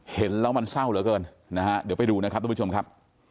เห็นแล้วมันเศร้าเหลือเกินนะฮะเดี๋ยวไปดูนะครับทุกผู้ชมครับ